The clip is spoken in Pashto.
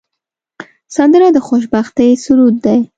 سندره د خوشبختۍ سرود دی